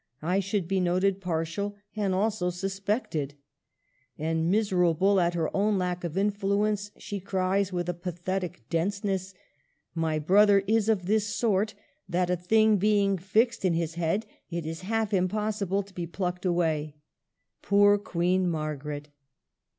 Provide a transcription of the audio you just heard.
I should be noted partial, and also suspected." And, miserable at her own lack of influence, she cries, with a pathetic denseness, *' My brother is of this sort, that a thing being fixed in his head it is half impossible to be plucked away." Poor Queen Margaret